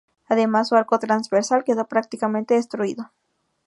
Además, su arco transversal quedó prácticamente destruido.